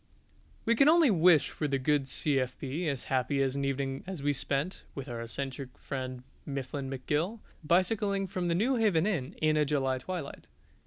We can only wish for the good C.F.B. as happy an evening as we spent (with our eccentric friend Mifflin McGill) bicycling from the Newhaven Inn in a July twilight.